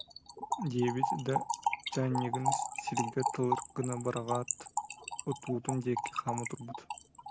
диэбит да, чаанньыгын сиргэ талыр гына быраҕаат, отуутун диэки хаама турбут